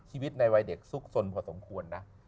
ในวัยเด็กซุกสนพอสมควรนะ